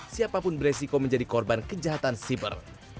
siapapun beresiko menjadi korban kejahatan siber